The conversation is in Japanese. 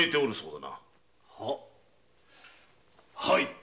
はい。